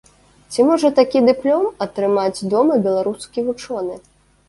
Ці можа такі дыплом атрымаць дома беларускі вучоны?